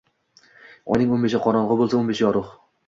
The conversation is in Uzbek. Oyning o`n beshi qorong`u bo`lsa, o`n beshi yorug`